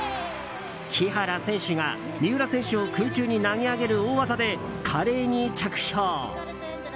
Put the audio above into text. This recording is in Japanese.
木原選手が三浦選手を空中に投げ上げる大技で華麗に着氷！